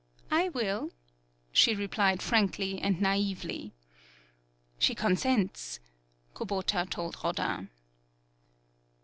"I will," she replied frankly and naively. "She consents," Kubota told Rodin.